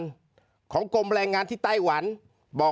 เจ้าหน้าที่แรงงานของไต้หวันบอก